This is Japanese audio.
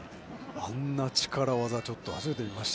◆あんな力わざ、初めて見ました。